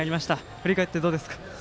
振り返ってどうですか。